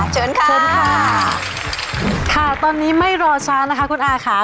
เชิญค่ะเชิญค่ะค่ะตอนนี้ไม่รอช้านะคะคุณอาค่ะ